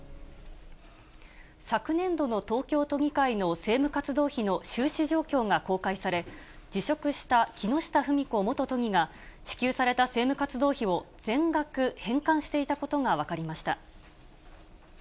昨年度の東京都議会の政務活動費の収支状況が公開され、辞職した木下富美子元都議が、支給された政務活動費を全額返還していたことが分かりました。